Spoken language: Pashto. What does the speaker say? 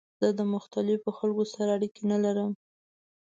زه د مختلفو خلکو سره اړیکه نه لرم.